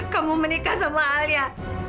kamu menikah sama alia